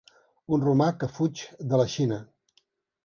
Un romà que fuig de la Xina.